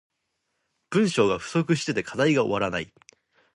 文章が不足してて課題が終わらない